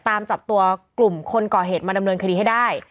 ตามจับตัวกลุ่มคนก่อเหตุมาดำเนินคดีให้ได้